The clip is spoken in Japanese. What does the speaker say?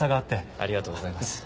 ありがとうございます。